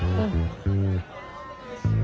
うん。